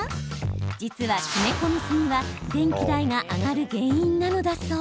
実は詰め込みすぎは電気代が上がる原因なのだそう。